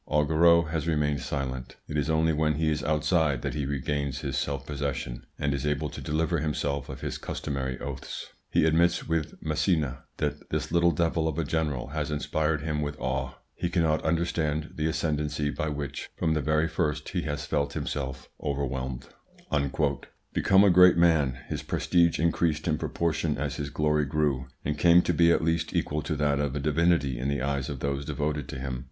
Augereau has remained silent; it is only when he is outside that he regains his self possession and is able to deliver himself of his customary oaths. He admits with Massena that this little devil of a general has inspired him with awe; he cannot understand the ascendency by which from the very first he has felt himself overwhelmed." Become a great man, his prestige increased in proportion as his glory grew, and came to be at least equal to that of a divinity in the eyes of those devoted to him.